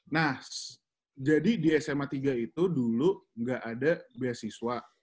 nah jadi di sma tiga itu dulu nggak ada beasiswa